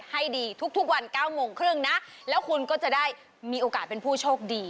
ให้ดีทุกวัน๙โมงครึ่งนะแล้วคุณก็จะได้มีโอกาสเป็นผู้โชคดี